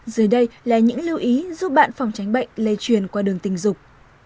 dưới đây là những lưu ý giúp bạn phòng tránh bệnh lây truyền qua đường tình dục